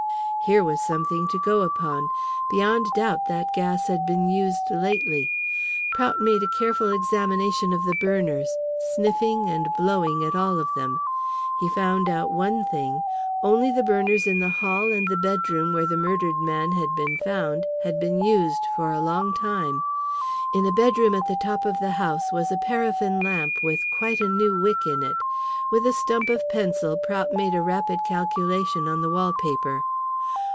Here was something to go upon. Beyond doubt that gas had been used lately. Prout made a careful examination of the burners, sniffing and blowing at all of them. He found out one thing, only the burners in the hall and the bedroom where the murdered man had been found had been used for a long time. In a bedroom at the top of the house was a paraffin lamp with quite a new wick in it. With a stump of pencil Prout made a rapid calculation on the wall paper.